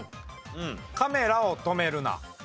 『カメラを止めるな！』。